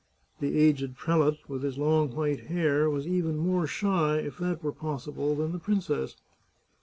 The aged prelate, with his long white hair, was even more shy, if that were possible, than the princess.